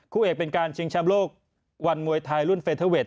คู่เอกเป็นการชิงแชมป์โลกวันมวยไทยรุ่นเฟเทอร์เวท